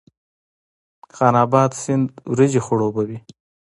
خان اباد سیند وریجې خړوبوي؟